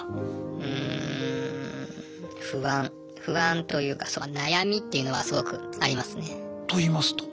うん不安不安というか悩みっていうのはすごくありますね。といいますと？